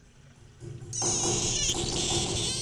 ابن عابدين د مېرمني وتل په څه پوري تړلي ګڼي؟